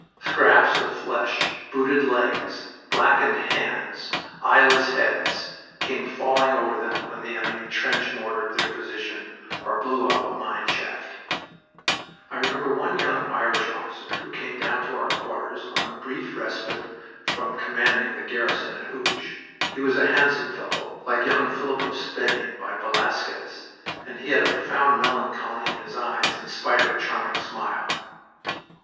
Scraps of flesh, booted legs, blackened hands, eyeless heads, came falling over them when the enemy trench mortared their position or blew up a new mine shaft. I remember one young Irish officer who came down to bur quarters on a brief respite from commanding the garrison at Hooge. He was a handsome fellow, like young Philip of Spain by Velasquez, and he had a profound melancholy in his eyes in spite of a charming smile.